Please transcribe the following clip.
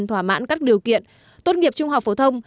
thỏa mãn các điều kiện tốt nghiệp trung học phổ thông